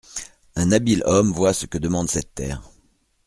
Un habile homme voit ce que demande cette terre.